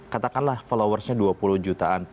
katakanlah followersnya dua puluh jutaan